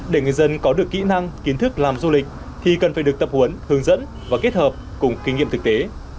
để người dân có được kỹ năng kiến thức làm du lịch thì cần phải được tập huấn hướng dẫn và kết hợp cùng kinh nghiệm thực tế